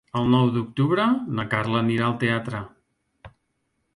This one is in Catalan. El nou d'octubre na Carla anirà al teatre.